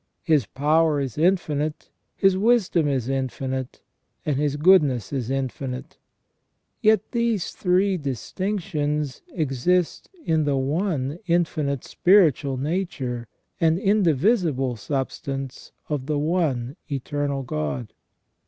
His power is infinite, His wisdom is infinite, and His goodness is infinite; yet these three distinctions exist in the one infinite spiritual nature and indivisible substance of the One Eternal God.